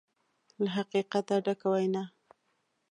له حقیقته ډکه وینا